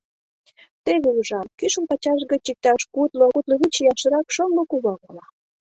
Теве ужам: кӱшыл пачаш гыч иктаж кудло-кудло вич ияшрак шоҥго кува вола.